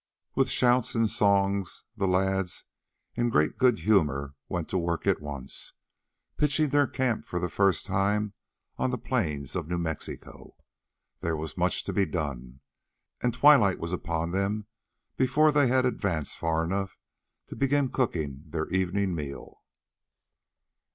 With shouts and songs the lads, in great good humor, went to work at once, pitching their camp for the first time on the plains of New Mexico. There was much to be done, and twilight was upon them before they had advanced far enough to begin cooking their evening meal.